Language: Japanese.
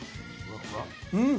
うん。